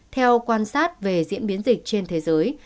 theo quan sát về diễn biến dịch trên thế giới